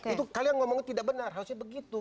itu kalian ngomongnya tidak benar harusnya begitu